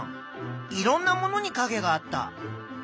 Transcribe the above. いろんなものにかげがあった。